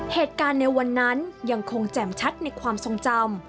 เหตุการณ์ในวันนั้นยังคงแจ่มชัดในความทรงจำ